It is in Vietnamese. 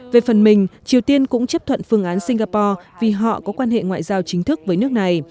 về phần mình triều tiên cũng chấp thuận phương án singapore vì họ có quan hệ ngoại giao chính thức với nước này